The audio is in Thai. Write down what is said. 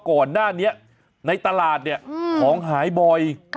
ก่อนหน้านี้ในตลาดเนี่ยของหายบ่อย